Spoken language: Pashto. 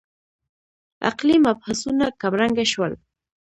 عقلي مبحثونه کمرنګه شول.